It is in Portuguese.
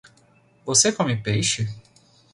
Você come peixe?